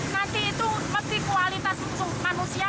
nanti itu seperti kualitas manusia